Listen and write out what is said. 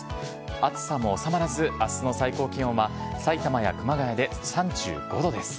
暑さも収まらず、あすの最高気温はさいたまや熊谷で３５度です。